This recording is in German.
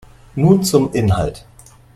Nun zum Inhalt.